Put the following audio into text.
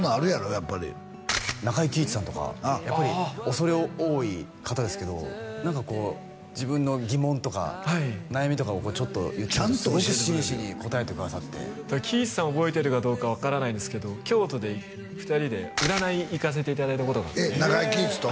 やっぱり中井貴一さんとかやっぱり恐れ多い方ですけどなんかこう自分の疑問とかはい悩みとかをちょっと言ったらすごく真摯に答えてくださって貴一さん覚えてるかどうか分からないですけど京都で二人で占い行かせていただいたことがあってえっ中井貴一と？